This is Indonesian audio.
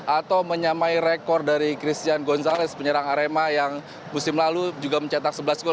atau menyamai rekor dari christian gonzalez penyerang arema yang musim lalu juga mencetak sebelas gol